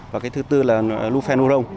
và cái thứ tư là lufenuron